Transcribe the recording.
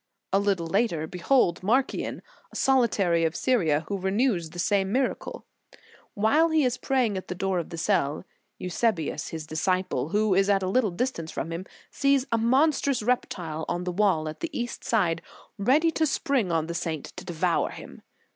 * A little later, behold Marcian, a solitary of Syria, who renews the same miracle. While he is praying at the door of the cell, Eusebius, his disciple, who is at a little distance from him, sees a monstrous reptile on the wail at the east side, ready to spring on the saint to devour him.